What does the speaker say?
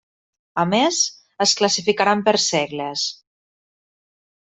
A més, es classificaran per segles.